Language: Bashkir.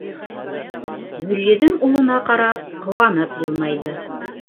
— Гөлйөҙөм улына ҡарап, ҡыуанып йылмайҙы.